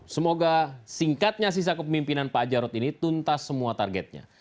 semoga singkatnya sisa kepemimpinan pak jarod ini tuntas semua targetnya